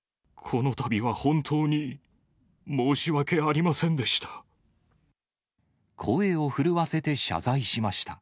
このたびは本当に申し訳ありませんでした。